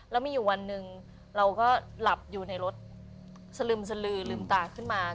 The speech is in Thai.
แล้วมีอยู่วันหนึ่งเราก็หลับอยู่ในรถสลึมสลือลืมตาขึ้นมา